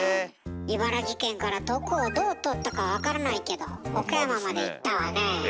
茨城県からどこをどう通ったか分からないけど岡山まで行ったわねえ。